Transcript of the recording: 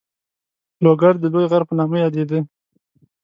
لوګر د لوی غر په نامه یادېده.